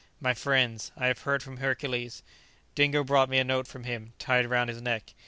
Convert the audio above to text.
"My friends, I have heard from Hercules. Dingo brought me a note from him, tied round his neck.